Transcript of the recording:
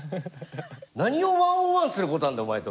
何を１ｏｎ１することあるんだお前と。